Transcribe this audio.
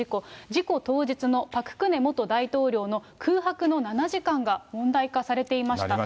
事故当日のパク・クネ元大統領の空白の７時間が問題化されていました。